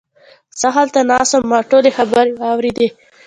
زه هلته ناست وم، ما ټولې خبرې واوريدې!